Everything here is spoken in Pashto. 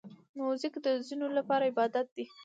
موزیک د ځینو لپاره عبادت دی.